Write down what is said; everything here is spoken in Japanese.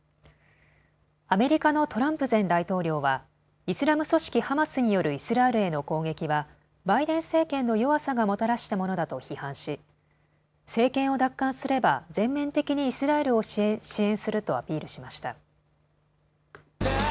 アメリカのトランプ前大統領はイスラム組織ハマスによるイスラエルへの攻撃はバイデン政権の弱さがもたらしたものだと批判し政権を奪還すれば全面的にイスラエルを支援するとアピールしました。